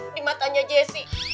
di matanya jessy